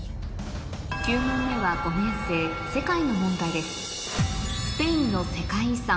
９問目は５年生世界の問題です